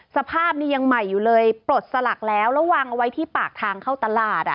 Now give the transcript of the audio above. สภาพนี้ยังใหม่อยู่เลยปลดสลักแล้วแล้ววางเอาไว้ที่ปากทางเข้าตลาด